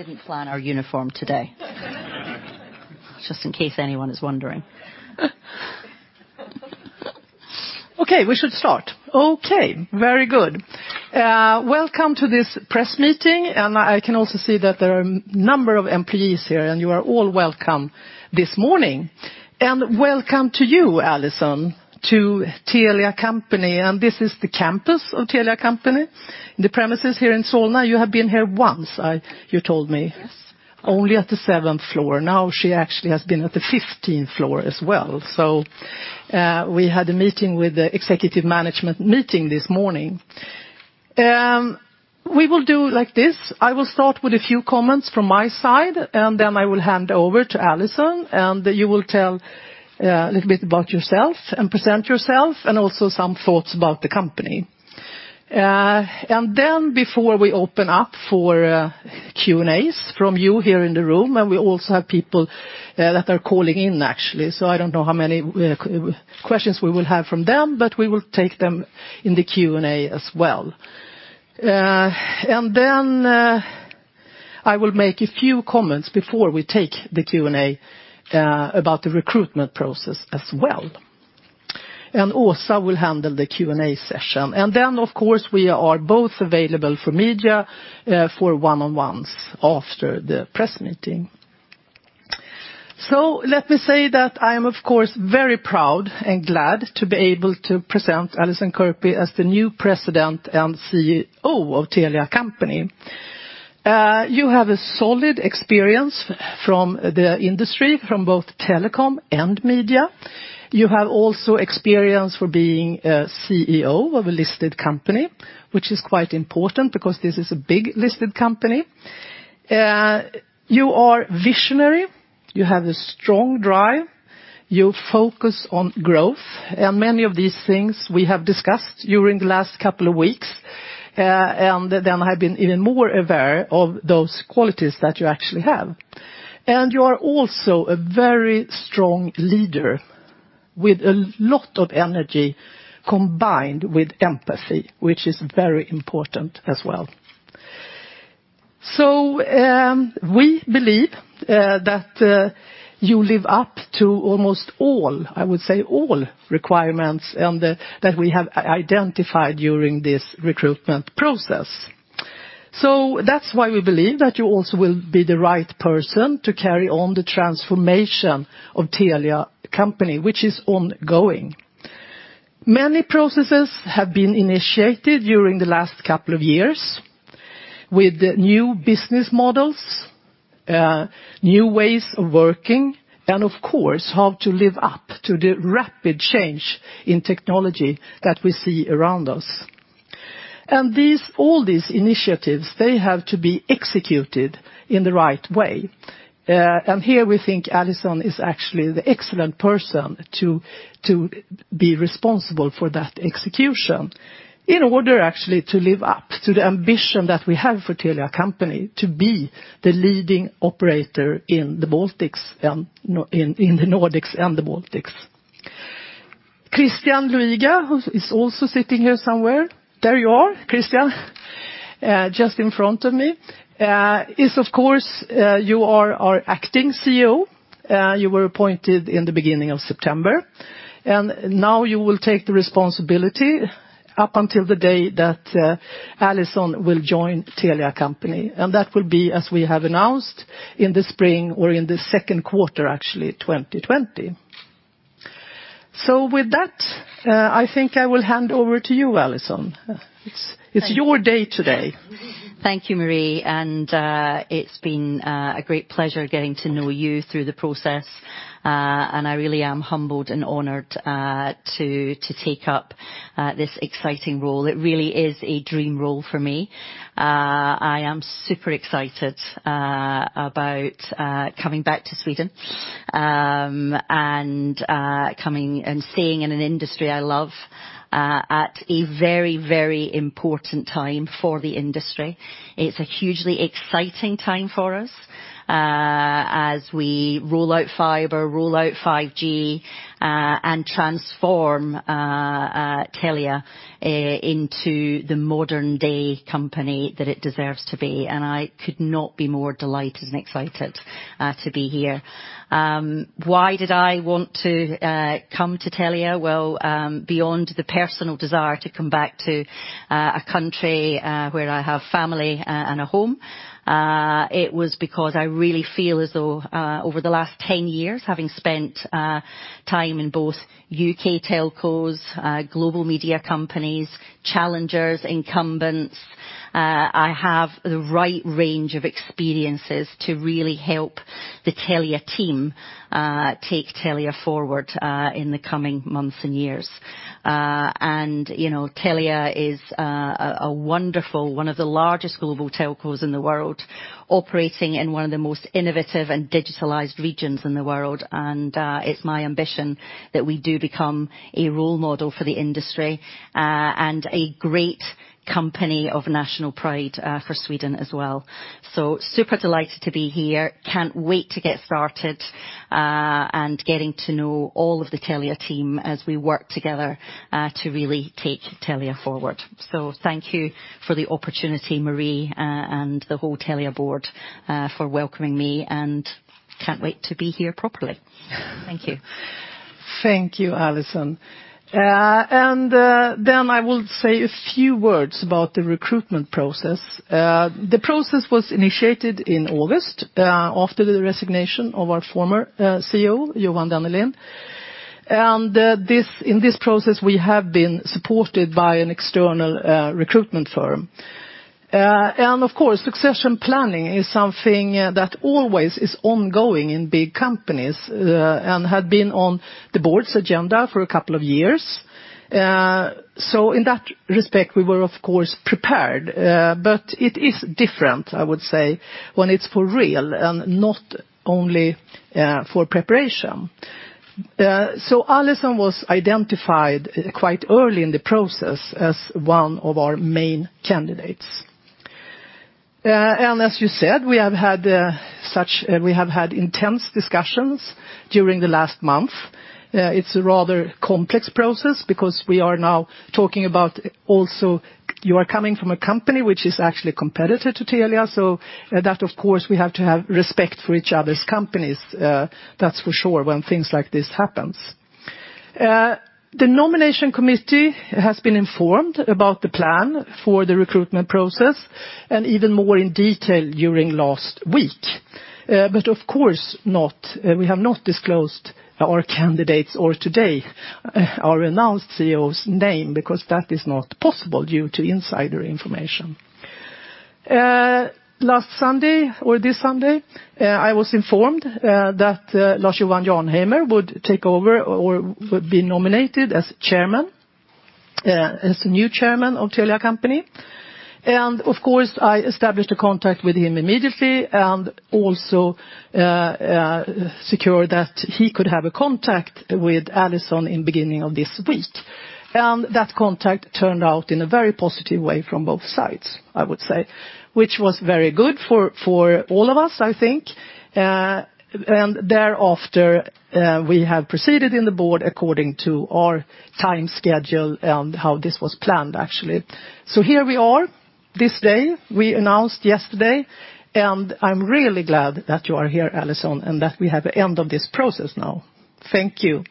Didn't plan our uniform today. Just in case anyone is wondering. Okay, we should start. Okay, very good. Welcome to this press meeting, and I can also see that there are a number of employees here, and you are all welcome this morning. Welcome to you, Allison, to Telia Company. This is the campus of Telia Company, the premises here in Solna. You have been here once, you told me. Yes. Only at the seventh floor. Now she actually has been at the 15th floor as well. We had a meeting with the executive management meeting this morning. We will do like this. I will start with a few comments from my side, then I will hand over to Allison, you will tell a little bit about yourself and present yourself and also some thoughts about the company. Before we open up for Q&As from you here in the room, we also have people that are calling in actually. I don't know how many questions we will have from them, we will take them in the Q&A as well. I will make a few comments before we take the Q&A about the recruitment process as well. Åsa will handle the Q&A session. Of course, we are both available for media for one-on-ones after the press meeting. Let me say that I am of course very proud and glad to be able to present Allison Kirkby as the new President and CEO of Telia Company. You have a solid experience from the industry, from both telecom and media. You have also experience for being a CEO of a listed company, which is quite important because this is a big listed company. You are visionary, you have a strong drive, you focus on growth. Many of these things we have discussed during the last couple of weeks, I have been even more aware of those qualities that you actually have. You are also a very strong leader with a lot of energy combined with empathy, which is very important as well. We believe that you live up to almost all, I would say all requirements that we have identified during this recruitment process. That's why we believe that you also will be the right person to carry on the transformation of Telia Company, which is ongoing. Many processes have been initiated during the last couple of years with new business models, new ways of working, and of course, how to live up to the rapid change in technology that we see around us. All these initiatives, they have to be executed in the right way. Here we think Allison is actually the excellent person to be responsible for that execution in order actually to live up to the ambition that we have for Telia Company to be the leading operator in the Nordics and the Baltics. Christian Luiga, who is also sitting here somewhere. There you are, Christian, just in front of me, is of course, you are our acting CEO. You were appointed in the beginning of September, now you will take the responsibility up until the day that Allison will join Telia Company. That will be, as we have announced, in the spring or in the second quarter, actually, 2020. With that, I think I will hand over to you, Allison. It's your day today. Thank you, Marie. It's been a great pleasure getting to know you through the process. I really am humbled and honored to take up this exciting role. It really is a dream role for me. I am super excited about coming back to Sweden and staying in an industry I love at a very important time for the industry. It's a hugely exciting time for us as we roll out fiber, roll out 5G, and transform Telia into the modern-day company that it deserves to be. I could not be more delighted and excited to be here. Why did I want to come to Telia? Well, beyond the personal desire to come back to a country where I have family and a home, it was because I really feel as though over the last 10 years, having spent time in both U.K. telcos, global media companies, challengers, incumbents, I have the right range of experiences to really help the Telia team take Telia forward in the coming months and years. Telia is a wonderful, one of the largest global telcos in the world, operating in one of the most innovative and digitalized regions in the world. It's my ambition that we do become a role model for the industry and a great company of national pride for Sweden as well. Super delighted to be here. Can't wait to get started and getting to know all of the Telia team as we work together to really take Telia forward. Thank you for the opportunity, Marie, and the whole Telia board for welcoming me, and I can't wait to be here properly. Thank you. Thank you, Allison. Then I will say a few words about the recruitment process. The process was initiated in August, after the resignation of our former CEO, Johan Dennelind. In this process, we have been supported by an external recruitment firm. Of course, succession planning is something that always is ongoing in big companies, and had been on the board's agenda for a couple of years. In that respect, we were of course prepared, but it is different, I would say, when it's for real and not only for preparation. Allison was identified quite early in the process as one of our main candidates. As you said, we have had intense discussions during the last month. It's a rather complex process because we are now talking about also you are coming from a company which is actually competitor to Telia. That, of course, we have to have respect for each other's companies, that's for sure, when things like this happens. The nomination committee has been informed about the plan for the recruitment process, and even more in detail during last week. Of course, we have not disclosed our candidates or today our announced CEO's name because that is not possible due to insider information. Last Sunday or this Sunday, I was informed that Lars-Johan Jarnheimer would take over or would be nominated as chairman, as the new chairman of Telia Company. Of course, I established a contact with him immediately and also secured that he could have a contact with Allison in beginning of this week. That contact turned out in a very positive way from both sides, I would say. Which was very good for all of us, I think. Thereafter, we have proceeded in the board according to our time schedule and how this was planned, actually. Here we are this day, we announced yesterday, and I'm really glad that you are here, Allison, and that we have end of this process now. Thank you.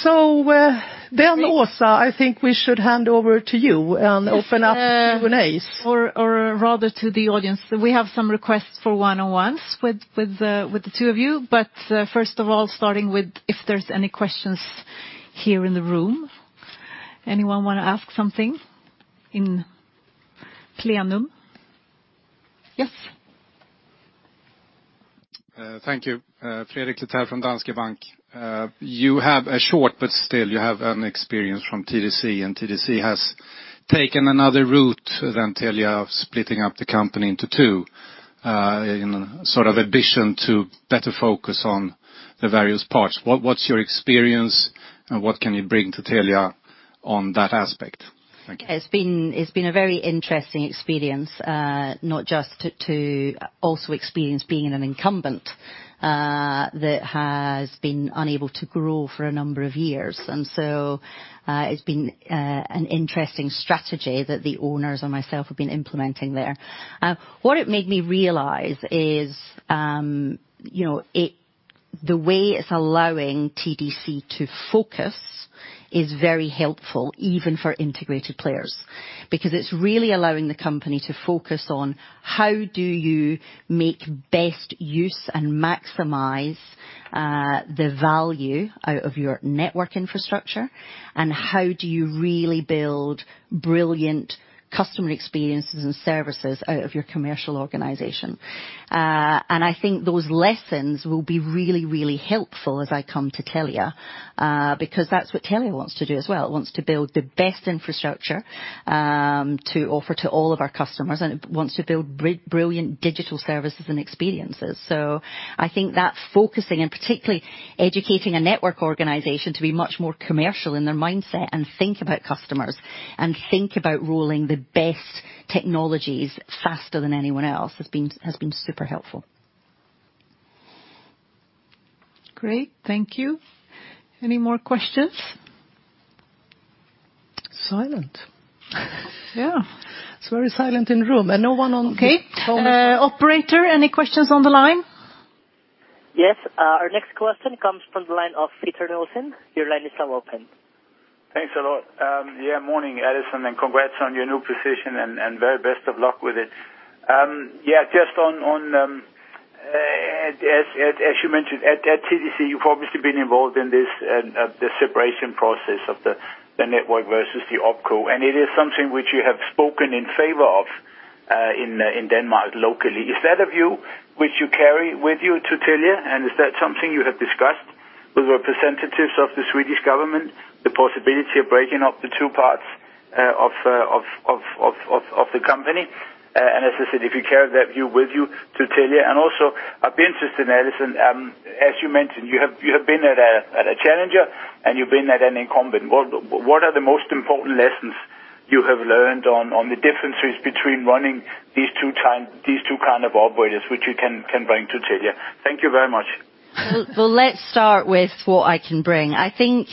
Me too. Åsa, I think we should hand over to you and open up Q&As. Rather to the audience. We have some requests for one-on-ones with the two of you. First of all, starting with if there's any questions here in the room. Anyone want to ask something in plenum? Yes. Thank you. Fredrik Lithell from Danske Bank. You have a short, but still, you have an experience from TDC, and TDC has taken another route than Telia of splitting up the company into two, in a sort of ambition to better focus on the various parts. What's your experience, and what can you bring to Telia on that aspect? Thank you. It's been a very interesting experience, not just to also experience being an incumbent that has been unable to grow for a number of years. It's been an interesting strategy that the owners and myself have been implementing there. What it made me realize is the way it's allowing TDC to focus is very helpful, even for integrated players. It's really allowing the company to focus on how do you make best use and maximize the value out of your network infrastructure, and how do you really build brilliant customer experiences and services out of your commercial organization. I think those lessons will be really, really helpful as I come to Telia, because that's what Telia wants to do as well. It wants to build the best infrastructure to offer to all of our customers, and it wants to build brilliant digital services and experiences. I think that focusing and particularly educating a network organization to be much more commercial in their mindset and think about customers, and think about rolling the best technologies faster than anyone else has been super helpful. Great. Thank you. Any more questions? Silent. Yeah. It's very silent in room, and no one on- Okay. Operator, any questions on the line? Yes. Our next question comes from the line of Peter Nelson. Your line is now open. Thanks a lot. Morning, Allison, and congrats on your new position, and very best of luck with it. Just as you mentioned, at TDC, you've obviously been involved in this separation process of the network versus the opco, it is something which you have spoken in favor of in Denmark, locally. Is that a view which you carry with you to Telia, is that something you have discussed with representatives of the Swedish government, the possibility of breaking up the two parts of the company? As I said, if you carry that view with you to Telia. Also, I'd be interested in, Allison, as you mentioned, you have been at a challenger, and you've been at an incumbent. What are the most important lessons you have learned on the differences between running these two kind of operators, which you can bring to Telia? Thank you very much. Well, let's start with what I can bring. I think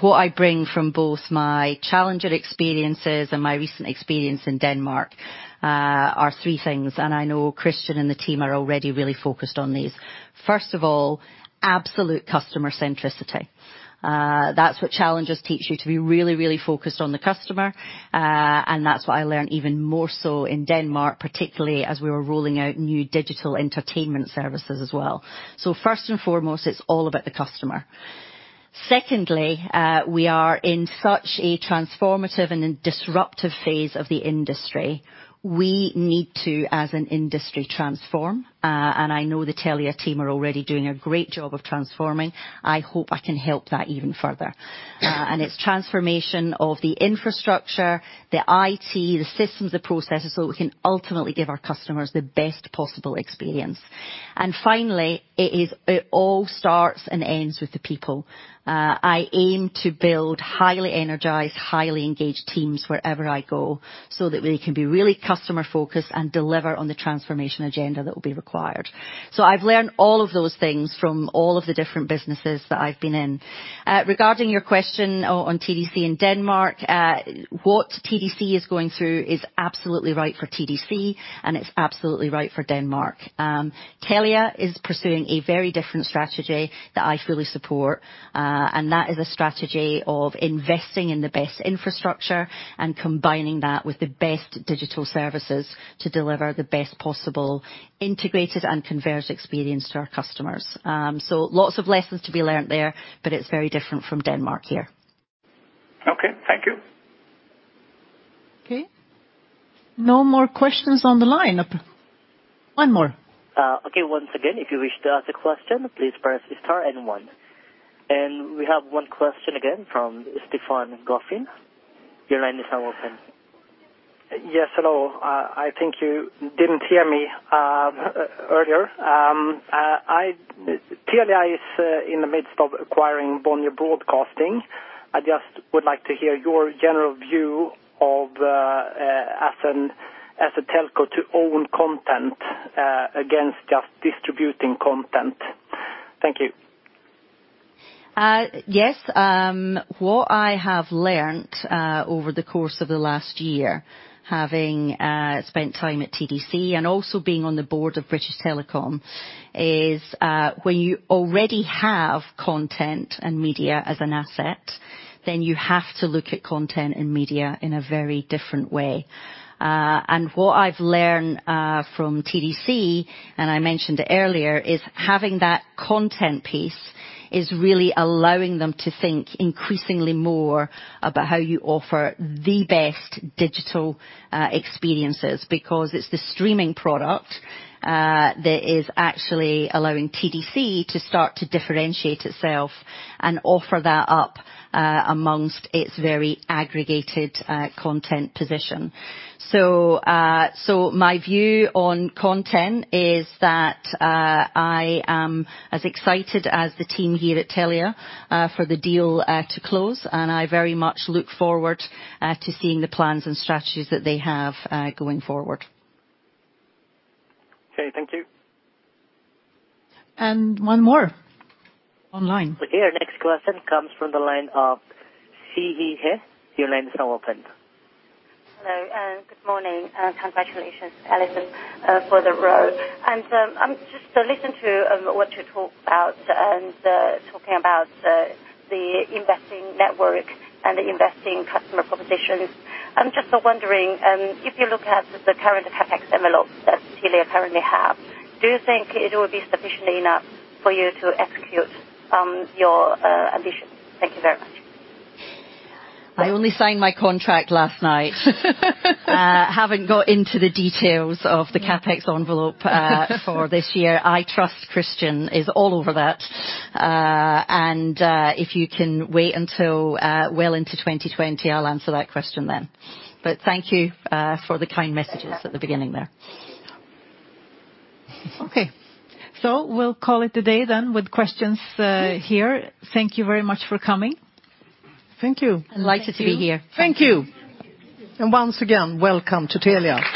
what I bring from both my challenger experiences and my recent experience in Denmark are three things, and I know Christian and the team are already really focused on these. First of all, absolute customer centricity. That's what challengers teach you, to be really, really focused on the customer, and that's what I learned even more so in Denmark, particularly as we were rolling out new digital entertainment services as well. First and foremost, it's all about the customer. Secondly, we are in such a transformative and a disruptive phase of the industry. We need to, as an industry, transform, and I know the Telia team are already doing a great job of transforming. I hope I can help that even further. It's transformation of the infrastructure, the IT, the systems, the processes, so that we can ultimately give our customers the best possible experience. Finally, it all starts and ends with the people. I aim to build highly energized, highly engaged teams wherever I go, so that we can be really customer-focused and deliver on the transformation agenda that will be required. I've learned all of those things from all of the different businesses that I've been in. Regarding your question on TDC in Denmark, what TDC is going through is absolutely right for TDC, and it's absolutely right for Denmark. Telia is pursuing a very different strategy that I fully support, and that is a strategy of investing in the best infrastructure and combining that with the best digital services to deliver the best possible integrated and converged experience to our customers. lots of lessons to be learned there, but it's very different from Denmark here. Okay. Thank you. Okay. No more questions on the line. One more. Okay, once again, if you wish to ask a question, please press star and one. We have one question again from Stefan Gauffin. Your line is now open. Yes, hello. I think you didn't hear me earlier. Telia is in the midst of acquiring Bonnier Broadcasting. I just would like to hear your general view of, as a telco, to own content against just distributing content. Thank you. Yes. What I have learned over the course of the last year, having spent time at TDC and also being on the board of British Telecom, is when you already have content and media as an asset, then you have to look at content and media in a very different way. What I've learned from TDC, and I mentioned it earlier, is having that content piece is really allowing them to think increasingly more about how you offer the best digital experiences. Because it's the streaming product that is actually allowing TDC to start to differentiate itself and offer that up amongst its very aggregated content position. My view on content is that I am as excited as the team here at Telia for the deal to close, and I very much look forward to seeing the plans and strategies that they have going forward. Okay. Thank you. One more online. Okay. Our next question comes from the line of. Your line is now opened. Hello, and good morning. Congratulations, Allison, for the role. I'm just listening to what you talked about and talking about the investing network and the investing customer propositions. I'm just wondering, if you look at the current CapEx envelope that Telia currently have, do you think it will be sufficiently enough for you to execute your ambition? Thank you very much. I only signed my contract last night. Haven't got into the details of the CapEx envelope for this year. I trust Christian is all over that. If you can wait until well into 2020, I'll answer that question then. Thank you for the kind messages at the beginning there. We'll call it a day then with questions here. Thank you very much for coming. Thank you. Delighted to be here. Thank you. Once again, welcome to Telia.